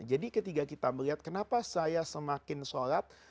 ketika kita melihat kenapa saya semakin sholat